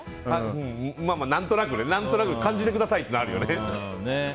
何となくね感じてくださいっていうのはあるよね。